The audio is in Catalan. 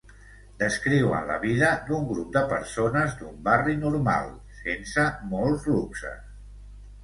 Descriuen la vida d'un grup de persones d'un barri normal, sense molts luxes.